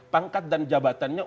pangkat dan jabatannya